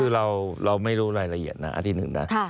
คือเราไม่รู้รายละเอียดนะอันที่หนึ่งนะ